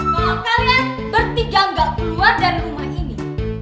tolong kalian bertiga gak keluar dari rumah ini